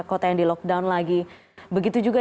kota yang di lockdown lagi begitu juga